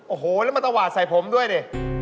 โอ้โหแล้วมาตวาดใส่ผมด้วยดิ